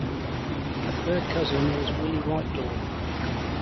A third cousin was Willie Whitelaw.